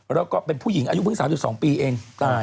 แล้วก็เป็นผู้หญิงอายุเพิ่ง๓๒ปีเอง